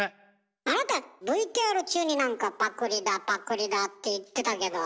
あなたＶＴＲ中になんか「パクリだパクリだ」って言ってたけど。